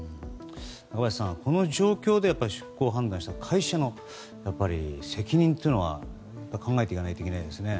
中林さん、この状況で出航を判断した会社の責任は考えていかないといけないですね。